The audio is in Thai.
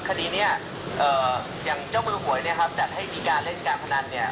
คดีนี้อย่างเจ้ามือหวยเนี่ยครับจัดให้มีการเล่นการพนันเนี่ย